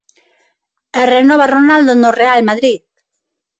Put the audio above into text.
E renova Ronaldo no Real Madrid.